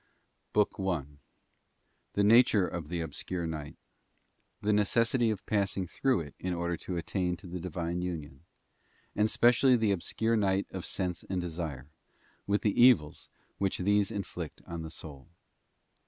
BOOK I. THE NATURE OF THE OBSCURE NIGHT, THE NECESSITY OF PASSING THROUGH IT IN ORDER TO ATTAIN TO THE DIVINE UNION: AND _ SPECIALLY THE OBSCURE NIGHT OF SENSE AND DESIRE, WITH THE EVILS WHICH THESE INFLICT ON THE SOUL.